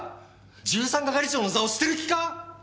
１３係長の座を捨てる気か？